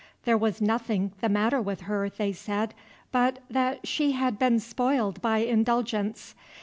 There was nothing the matter with her, they said, but that she had been spoiled by indulgence.